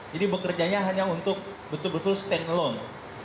jadi bekerjanya hanya untuk betul betul stand alone